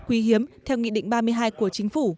quý hiếm theo nghị định ba mươi hai của chính phủ